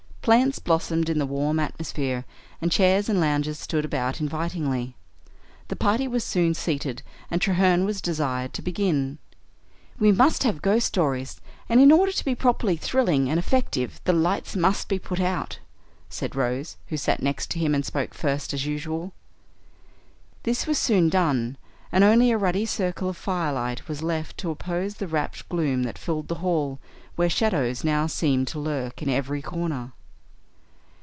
Plants blossomed in the warm atmosphere, and chairs and lounges stood about invitingly. The party was soon seated, and Treherne was desired to begin. "We must have ghost stories, and in order to be properly thrilling and effective, the lights must be put out," said Rose, who sat next him, and spoke first, as usual. This was soon done, and only a ruddy circle of firelight was left to oppose the rapt gloom that filled the hall, where shadows now seemed to lurk in every corner.